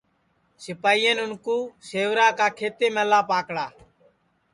سپائین اُن کُو سیوراکا کھیتیملا پاکڑا